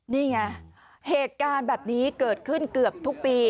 นี่ไงเหตุการณ์แบบนี้เกิดขึ้นเกือบทุกปี